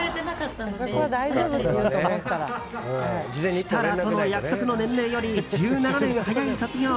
設楽との約束の年齢より１７年早い卒業。